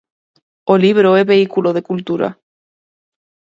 O libro é vehículo de cultura.